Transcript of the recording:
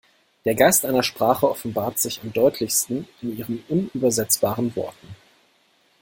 Der Geist einer Sprache offenbart sich am deutlichsten in ihren unübersetzbaren Worten.